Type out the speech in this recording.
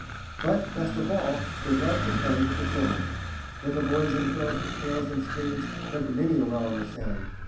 But, best of all, they loved to play with the children. Little boys and girls with pails and spades dug many a well in the sand.